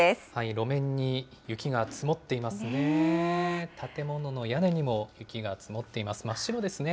路面に雪が積もっていますね。